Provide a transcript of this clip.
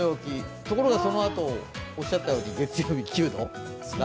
ところがそのあとおっしゃったように、来週月曜日は９度。